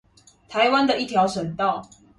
臺灣的一條省道